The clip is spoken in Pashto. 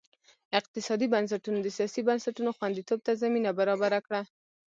اقتصادي بنسټونو د سیاسي بنسټونو خوندیتوب ته زمینه برابره کړه.